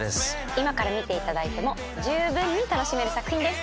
今から見ていただいてもじゅうぶんに楽しめる作品です。